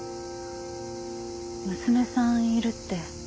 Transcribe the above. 娘さんいるって。